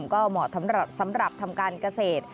ก็เหมาะสำหรับทำการเกษตร